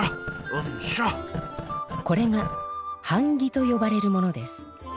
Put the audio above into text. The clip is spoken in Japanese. これがはん木とよばれるものです。